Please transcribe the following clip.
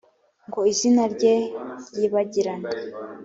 ngo izina rye ryibagirane